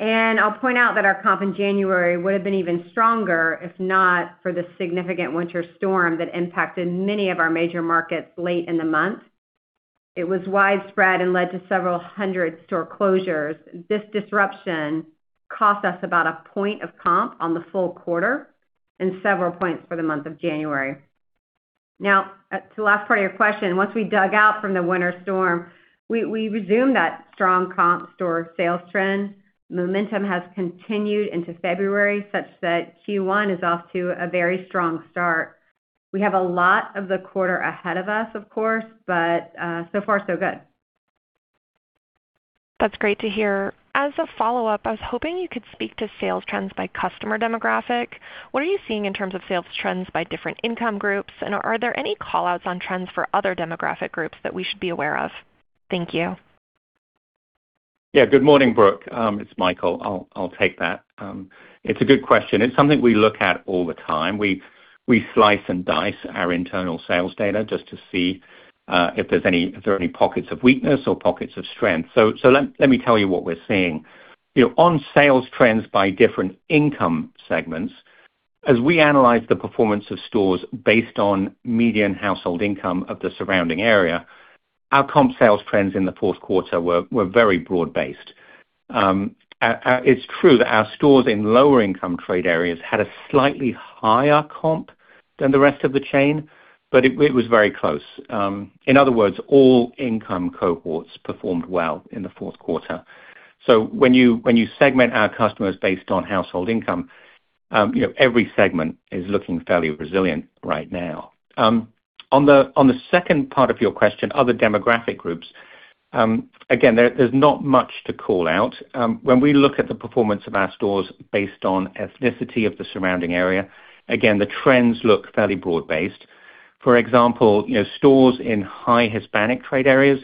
and I'll point out that our comp in January would have been even stronger if not for the significant winter storm that impacted many of our major markets late in the month. It was widespread and led to several hundred store closures. This disruption cost us about a point of comp on the full quarter and several points for the month of January. Now, to the last part of your question, once we dug out from the winter storm, we resumed that strong comp store sales trend. Momentum has continued into February such that Q1 is off to a very strong start. We have a lot of the quarter ahead of us, of course, but so far so good. That's great to hear. As a follow-up, I was hoping you could speak to sales trends by customer demographic. What are you seeing in terms of sales trends by different income groups, and are there any call outs on trends for other demographic groups that we should be aware of? Thank you. Yeah, good morning, Brooke. It's Michael. I'll take that. It's a good question. It's something we look at all the time. We slice and dice our internal sales data just to see if there are any pockets of weakness or pockets of strength. Let me tell you what we're seeing. You know, on sales trends by different income segments, as we analyze the performance of stores based on median household income of the surrounding area, our comp sales trends in the Q4 were very broad-based. It's true that our stores in lower income trade areas had a slightly higher comp than the rest of the chain, but it was very close. In other words, all income cohorts performed well in the Q4. When you segment our customers based on household income, you know, every segment is looking fairly resilient right now. On the second part of your question, other demographic groups, again, there's not much to call out. When we look at the performance of our stores based on ethnicity of the surrounding area, again, the trends look fairly broad-based. For example, you know, stores in high Hispanic trade areas.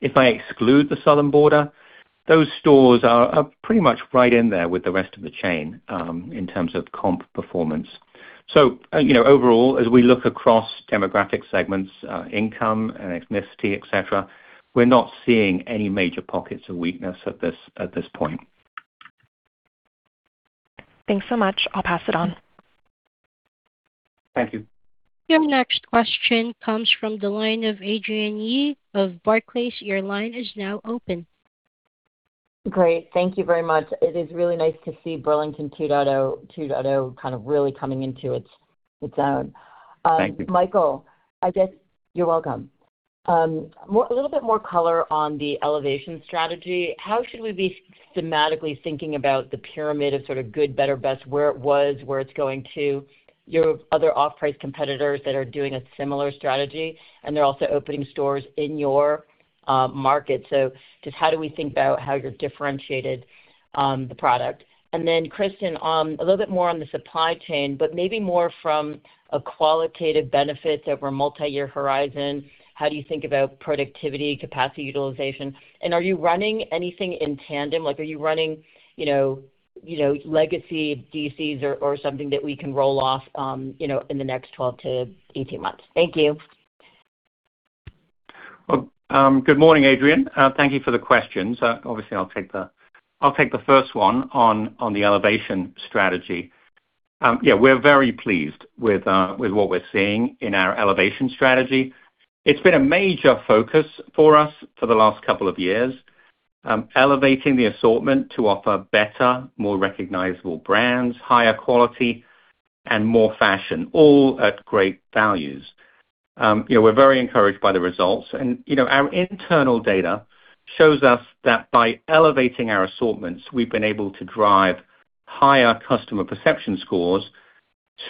If I exclude the southern border, those stores are pretty much right in there with the rest of the chain, in terms of comp performance. You know, overall, as we look across demographic segments, income, ethnicity, et cetera, we're not seeing any major pockets of weakness at this point. Thanks so much. I'll pass it on. Thank you. Your next question comes from the line of Adrienne Yih of Barclays. Your line is now open. Great. Thank you very much. It is really nice to see Burlington 2.0 kind of really coming into its own. Thank you. Michael, I guess... You're welcome. A little bit more color on the elevation strategy. How should we be thematically thinking about the pyramid of sort of good, better, best, where it was, where it's going to, your other off-price competitors that are doing a similar strategy, and they're also opening stores in your market. Just how do we think about how you're differentiated, the product? Kristin, a little bit more on the supply chain, but maybe more from a qualitative benefit over a multi-year horizon. How do you think about productivity, capacity utilization? Are you running anything in tandem? Like, are you running, you know, legacy DCs or something that we can roll off in the next 12-18 months? Thank you. Well, good morning, Adrienne. Thank you for the question. Obviously, I'll take the first one on the elevation strategy. Yeah, we're very pleased with what we're seeing in our elevation strategy. It's been a major focus for us for the last couple of years, elevating the assortment to offer better, more recognizable brands, higher quality and more fashion, all at great values. You know, we're very encouraged by the results. You know, our internal data shows us that by elevating our assortments, we've been able to drive higher customer perception scores,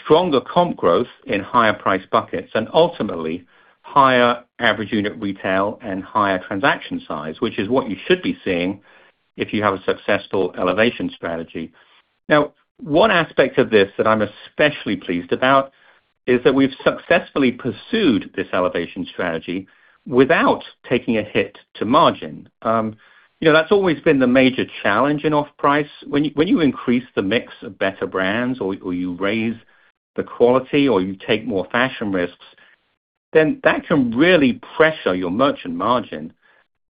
stronger comp growth in higher price buckets, and ultimately, higher average unit retail and higher transaction size, which is what you should be seeing if you have a successful elevation strategy. One aspect of this that I'm especially pleased about is that we've successfully pursued this elevation strategy without taking a hit to margin. You know, that's always been the major challenge in off-price. When you increase the mix of better brands or you raise the quality or you take more fashion risks, that can really pressure your merchant margin.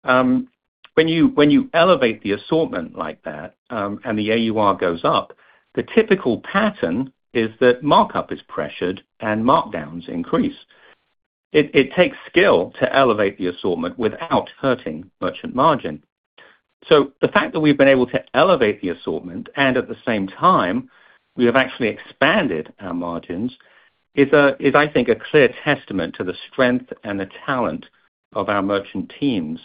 When you elevate the assortment like that, the AUR goes up, the typical pattern is that markup is pressured and markdowns increase. It takes skill to elevate the assortment without hurting merchant margin. The fact that we've been able to elevate the assortment and at the same time we have actually expanded our margins is I think a clear testament to the strength and the talent of our merchant teams.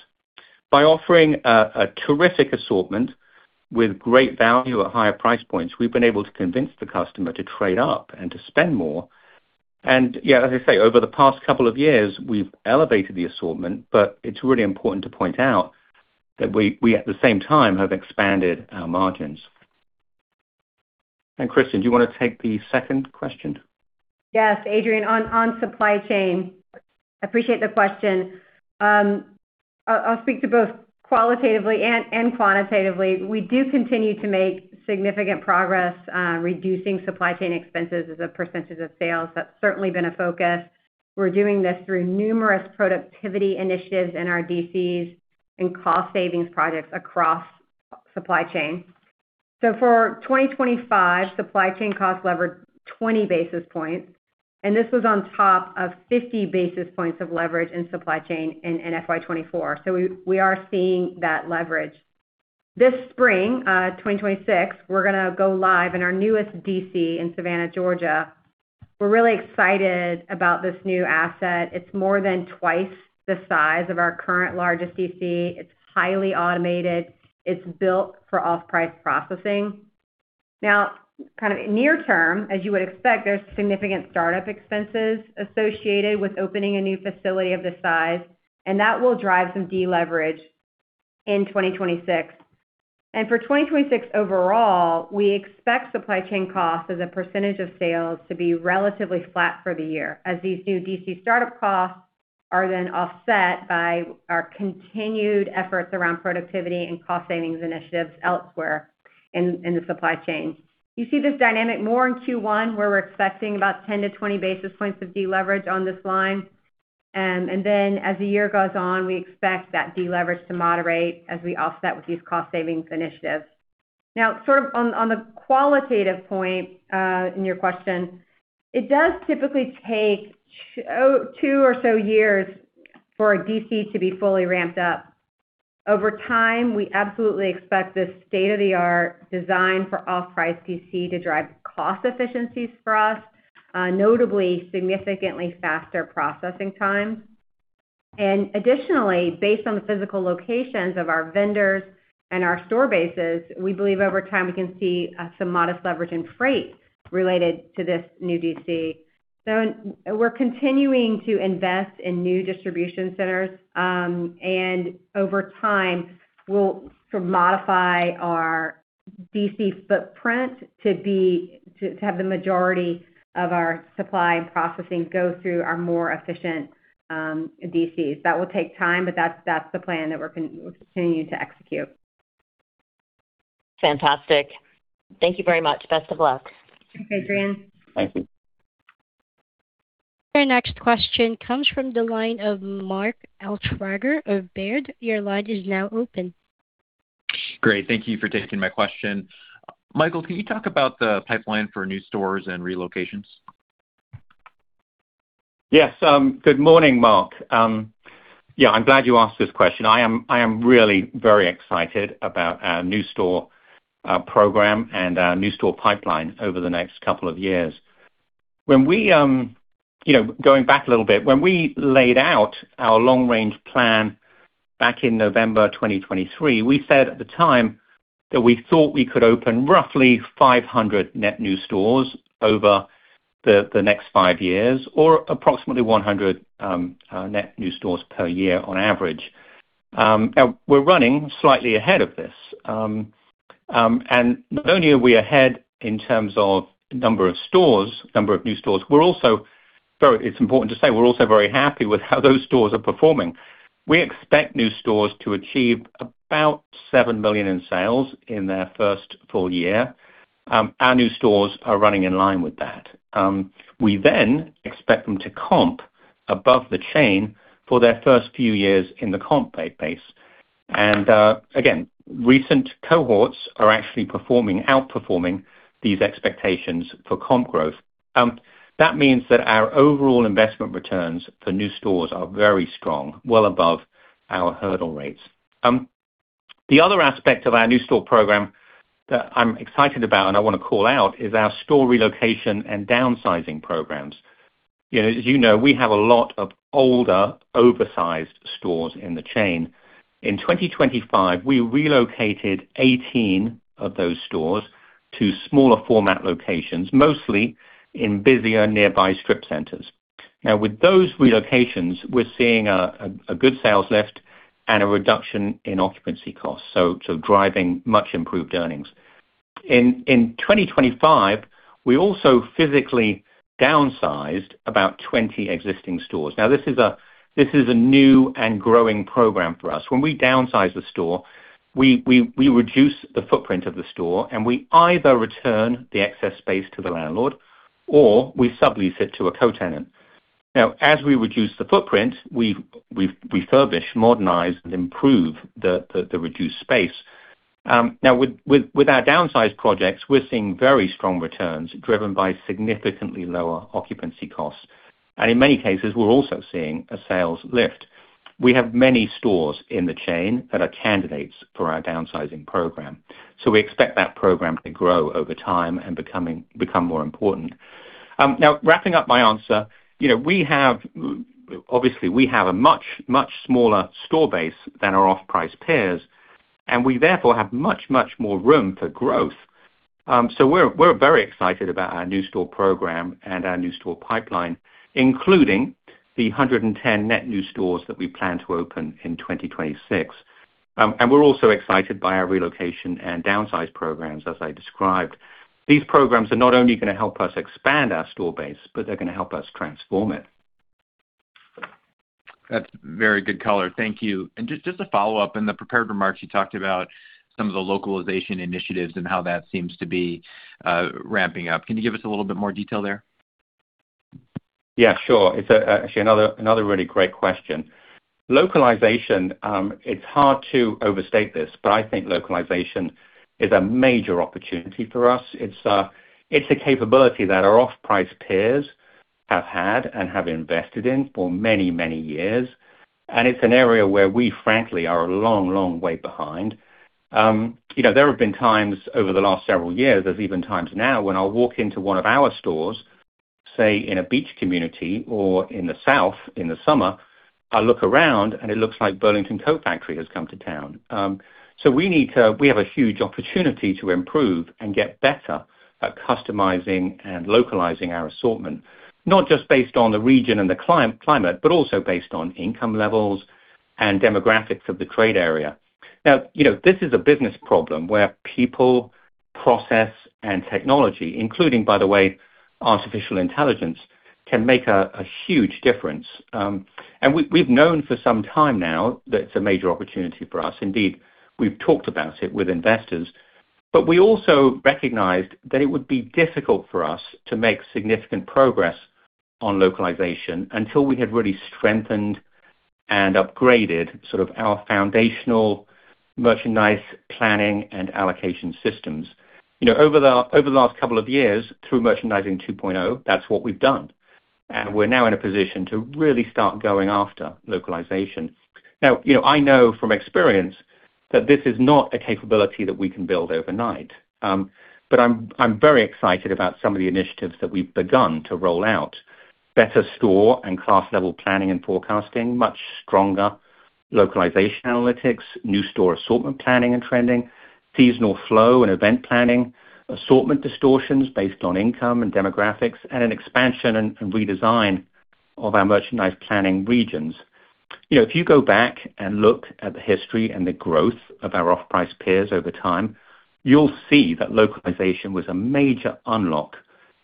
By offering a terrific assortment with great value at higher price points, we've been able to convince the customer to trade up and to spend more. Yeah, as I say, over the past couple of years, we've elevated the assortment, but it's really important to point out that we, at the same time, have expanded our margins. Kristin, do you wanna take the second question? Yes, Adrienne, on supply chain. Appreciate the question. I'll speak to both qualitatively and quantitatively. We do continue to make significant progress reducing supply chain expenses as a percentage of sales. That's certainly been a focus. We're doing this through numerous productivity initiatives in our DCs and cost savings projects across supply chain. For 2025, supply chain costs levered 20 basis points, and this was on top of 50 basis points of leverage in supply chain in FY 2024. We, we are seeing that leverage. This spring, 2026, we're gonna go live in our newest DC in Savannah, Georgia. We're really excited about this new asset. It's more than twice the size of our current largest DC. It's highly automated. It's built for off-price processing. Kind of near term, as you would expect, there's significant start-up expenses associated with opening a new facility of this size, and that will drive some deleverage in 2026. For 2026 overall, we expect supply chain costs as a percentage of sales to be relatively flat for the year, as these new DC start-up costs are then offset by our continued efforts around productivity and cost savings initiatives elsewhere in the supply chain. You see this dynamic more in Q1, where we're expecting about 10-20 basis points of deleverage on this line. As the year goes on, we expect that deleverage to moderate as we offset with these cost savings initiatives. Sort of on the qualitative point, in your question, it does typically take two or so years for a DC to be fully ramped up. Over time, we absolutely expect this state-of-the-art design for off-price DC to drive cost efficiencies for us, notably significantly faster processing time. Additionally, based on the physical locations of our vendors and our store bases, we believe over time we can see some modest leverage in freight related to this new DC. We're continuing to invest in new distribution centers, and over time, we'll modify our DC footprint to have the majority of our supply and processing go through our more efficient DCs. That will take time, but that's the plan that we'll continue to execute. Fantastic. Thank you very much. Best of luck. Thanks, Adrienne. Thank you. Our next question comes from the line of Mark Altschwager of Baird. Your line is now open. Great. Thank you for taking my question. Michael, can you talk about the pipeline for new stores and relocations? Good morning, Mark. I am really very excited about our new store program and our new store pipeline over the next couple of years. When we, you know, going back a little bit, when we laid out our long-range plan back in November 2023, we said at the time that we thought we could open roughly 500 net new stores over the next five years or approximately 100 net new stores per year on average. We're running slightly ahead of this. It's important to say we're also very happy with how those stores are performing. We expect new stores to achieve about $7 million in sales in their first full year. Our new stores are running in line with that. We expect them to comp above the chain for their first few years in the comp base. Again, recent cohorts are actually performing, outperforming these expectations for comp growth. That means that our overall investment returns for new stores are very strong, well above our hurdle rates. The other aspect of our new store program that I'm excited about and I wanna call out is our store relocation and downsizing programs. You know, as you know, we have a lot of older, oversized stores in the chain. In 2025, we relocated 18 of those stores to smaller format locations, mostly in busier nearby strip centers. With those relocations, we're seeing a good sales lift and a reduction in occupancy costs, so driving much improved earnings. In 2025, we also physically downsized about 20 existing stores. This is a new and growing program for us. When we downsize the store, we reduce the footprint of the store, and we either return the excess space to the landlord or we sublease it to a co-tenant. Now, as we reduce the footprint, we refurbish, modernize, and improve the reduced space. Now with our downsize projects, we're seeing very strong returns driven by significantly lower occupancy costs. In many cases, we're also seeing a sales lift. We have many stores in the chain that are candidates for our downsizing program. We expect that program to grow over time and become more important. Now wrapping up my answer, you know, we have, obviously, we have a much, much smaller store base than our off-price peers, and we therefore have much, much more room for growth. We're very excited about our new store program and our new store pipeline, including the 110 net new stores that we plan to open in 2026. We're also excited by our relocation and downsize programs, as I described. These programs are not only gonna help us expand our store base, but they're gonna help us transform it. That's very good color. Thank you. Just a follow-up. In the prepared remarks, you talked about some of the localization initiatives and how that seems to be ramping up. Can you give us a little bit more detail there? Yeah, sure. It's actually another really great question. Localization, it's hard to overstate this, but I think localization is a major opportunity for us. It's a capability that our off-price peers have had and have invested in for many, many years. It's an area where we frankly are a long, long way behind. You know, there have been times over the last several years, there's even times now when I'll walk into one of our stores, say, in a beach community or in the South in the summer, I look around, and it looks like Burlington Coat Factory has come to town. We need to We have a huge opportunity to improve and get better at customizing and localizing our assortment, not just based on the region and the climate, but also based on income levels and demographics of the trade area. You know, this is a business problem where people, process, and technology, including, by the way, artificial intelligence, can make a huge difference. We've known for some time now that it's a major opportunity for us. Indeed, we've talked about it with investors. We also recognized that it would be difficult for us to make significant progress on localization until we had really strengthened and upgraded sort of our foundational merchandise planning and allocation systems. You know, over the last couple of years, through Merchandising 2.0, that's what we've done. We're now in a position to really start going after localization. Now, you know, I know from experience that this is not a capability that we can build overnight. But I'm very excited about some of the initiatives that we've begun to roll out. Better store and class level planning and forecasting, much stronger localization analytics, new store assortment planning and trending, seasonal flow and event planning, assortment distortions based on income and demographics, and an expansion and redesign of our merchandise planning regions. You know, if you go back and look at the history and the growth of our off-price peers over time, you'll see that localization was a major unlock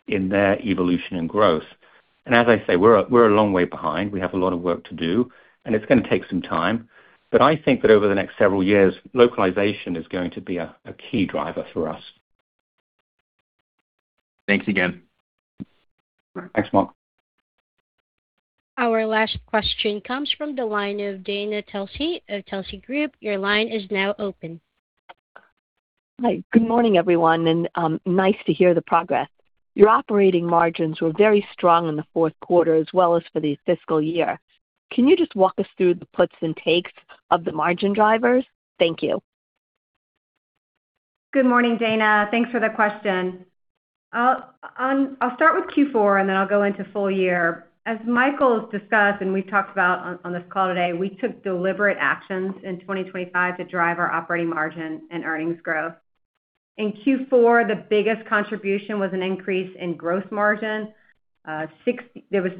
in their evolution and growth. As I say, we're a, we're a long way behind. We have a lot of work to do, and it's gonna take some time.I think that over the next several years, localization is going to be a key driver for us. Thanks again. Thanks, Mark. Our last question comes from the line of Dana Telsey of Telsey Group. Your line is now open. Hi. Good morning, everyone, nice to hear the progress. Your operating margins were very strong in the Q4, as well as for the fiscal year. Can you just walk us through the puts and takes of the margin drivers? Thank you. Good morning, Dana. Thanks for the question. I'll start with Q4 and then I'll go into full year. As Michael has discussed and we've talked about on this call today, we took deliberate actions in 2025 to drive our operating margin and earnings growth. In Q4, the biggest contribution was an increase in gross margin. There was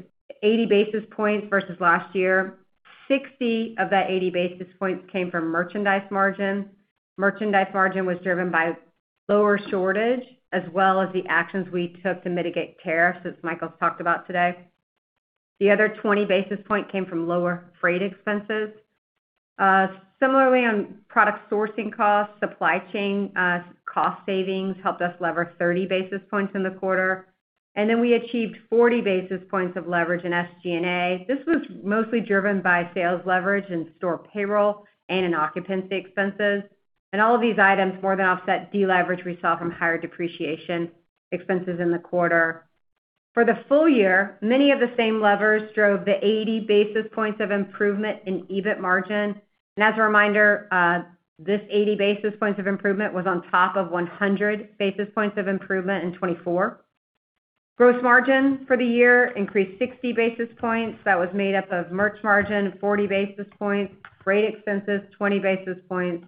80 basis points versus last year. 60 of that 80 basis points came from merchandise margin. Merchandise margin was driven by lower shortage as well as the actions we took to mitigate tariffs, as Michael's talked about today. The other 20 basis point came from lower freight expenses. Similarly on product sourcing costs, supply chain cost savings helped us lever 30 basis points in the quarter. We achieved 40 basis points of leverage in SG&A. This was mostly driven by sales leverage and store payroll and in occupancy expenses. All of these items more than offset deleverage we saw from higher depreciation expenses in the quarter. For the full year, many of the same levers drove the 80 basis points of improvement in EBIT margin. As a reminder, this 80 basis points of improvement was on top of 100 basis points of improvement in 2024. Gross margin for the year increased 60 basis points. That was made up of merch margin, 40 basis points, freight expenses, 20 basis points.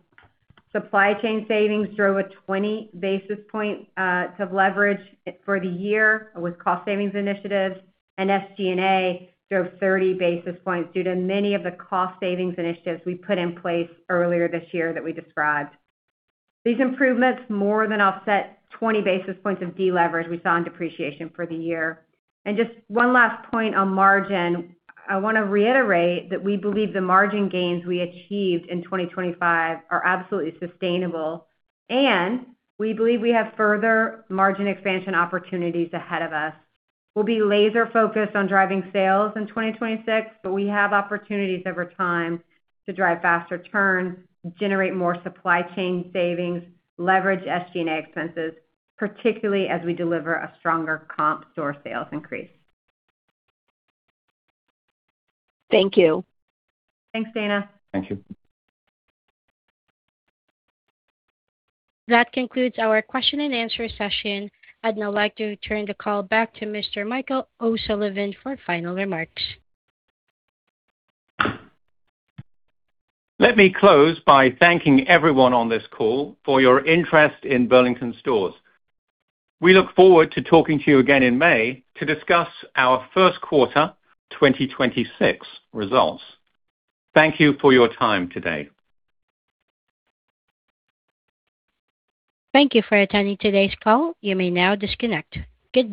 Supply chain savings drove a 20 basis point of leverage for the year with cost savings initiatives and SG&A drove 30 basis points due to many of the cost savings initiatives we put in place earlier this year that we described. These improvements more than offset 20 basis points of deleverage we saw in depreciation for the year. Just one last point on margin. I want to reiterate that we believe the margin gains we achieved in 2025 are absolutely sustainable, and we believe we have further margin expansion opportunities ahead of us. We'll be laser-focused on driving sales in 2026. We have opportunities over time to drive faster turns, generate more supply chain savings, leverage SG&A expenses, particularly as we deliver a stronger comp store sales increase. Thank you. Thanks, Dana. Thank you. That concludes our question and answer session. I'd now like to turn the call back to Mr. Michael O'Sullivan for final remarks. Let me close by thanking everyone on this call for your interest in Burlington Stores. We look forward to talking to you again in May to discuss our Q1 2026 results. Thank you for your time today. Thank you for attending today's call. You may now disconnect. Goodbye.